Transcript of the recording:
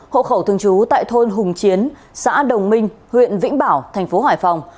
hộ khẩu thường trú tại thôn hùng chiến xã đồng minh huyện vĩnh bảo tp hải phòng